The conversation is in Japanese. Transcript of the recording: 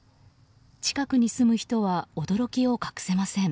近くに住む人は驚きを隠せません。